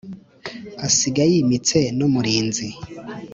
asiga yimitse n’umurinzi